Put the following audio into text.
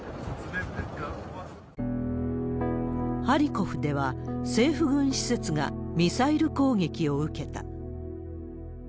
ハリコフでは、政府軍施設がミサイル攻撃を受けた。